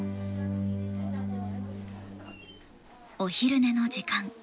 お昼寝の時間。